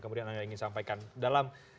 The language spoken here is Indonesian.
kemudian anda ingin sampaikan dalam